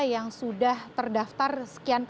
yang sudah terdaftar sekian